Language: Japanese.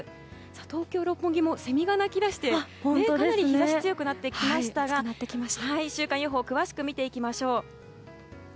東京・六本木もセミが鳴き出してかなり日差しが強くなってきましたが週間予報を詳しく見ていきます。